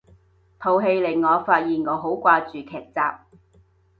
套戲令我發現我好掛住劇集